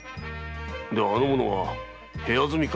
ではあの者は部屋住みか。